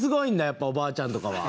やっぱり、おばあちゃんとかは。